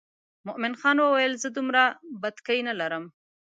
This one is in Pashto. مومن خان وویل زه دومره بتکۍ نه لرم.